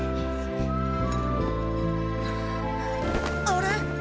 あれ！？